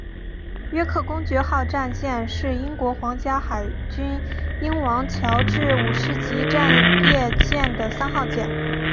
约克公爵号战舰是英国皇家海军英王乔治五世级战列舰的三号舰。